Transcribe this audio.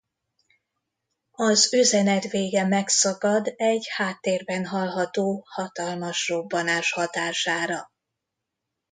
Az üzenet vége megszakad egy háttérben hallható hatalmas robbanás hatására.